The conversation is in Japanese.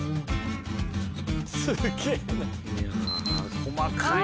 細かいね。